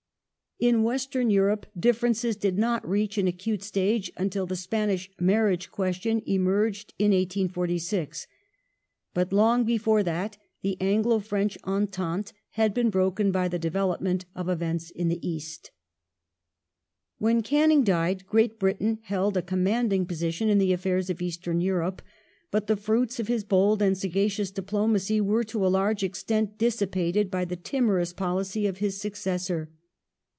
In Western Eui ope differences did not reach an acute stage until the Spanish marriage question emerged in 1846. But, long before that, the Anglo French entente had been broken by the development of events in the East. The East When Canning died Great Britain held a commanding position ern ques ^^ ^^le afFaii*s of Eastern Europe, but the fruits of his bold and sagacious diplomacy were to a large extent dissipated by the timorous policy of his successor.